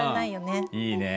いいね。